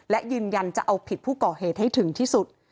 และยืนยันจะเอาผิดผู้ก่อเหตุให้ถึงที่สุด